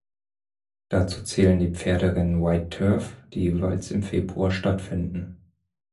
Dazu zählen die Pferderennen "White Turf", die jeweils im Februar stattfinden.